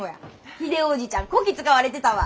ヒデオ叔父ちゃんこき使われてたわ。